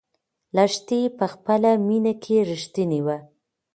لښتې په خپله مینه کې رښتینې وه.